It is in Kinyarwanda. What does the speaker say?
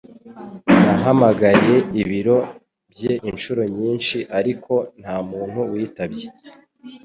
Nahamagaye ibiro bye inshuro nyinshi, ariko nta muntu witabye.